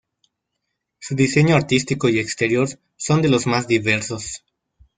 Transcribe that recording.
Su diseño artístico y exterior son de lo más diversos.